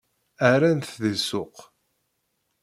Ɛerran-t di ssuq.